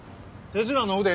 手品の腕